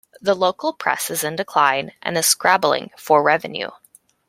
The local press is in decline, and is scrabbling for revenue.